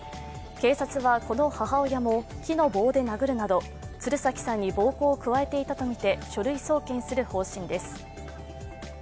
警察は、この母親も木の棒で殴るなど鶴崎さんに暴行を加えていたとみて書類送検する方針です。